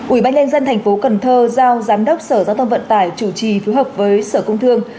ủy ban nhân dân thành phố cần thơ giao giám đốc sở giao thông vận tải chủ trì phối hợp với sở công thương